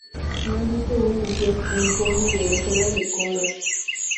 No existe una edición uniforme de las obras de Konrad.